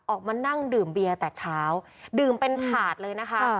ออกมานั่งดื่มเบียร์แต่เช้าดื่มเป็นถาดเลยนะคะ